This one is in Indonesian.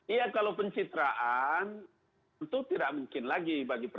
iya kalau pencitraan itu tidak mungkin lagi